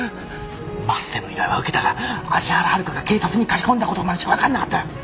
升瀬の依頼は受けたが芦原遥香が警察に駆け込んだことまでしか分かんなかった。